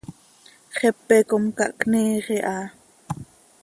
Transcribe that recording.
Xepe com cahcniiix iha.